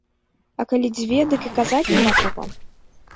А калі дзве, дык і казаць няма чаго.